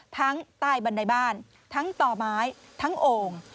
ทั้งใต้บันไดบ้านทั้งต่อไม้ทั้งโอ่ง